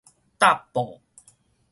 貼布